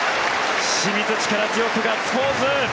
清水、力強くガッツポーズ。